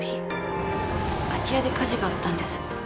空き家で火事があったんです。